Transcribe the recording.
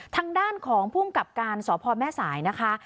ทางด้านของภูมิกับการสพแม่สายนะคะ